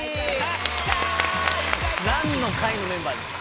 何の会のメンバーですか？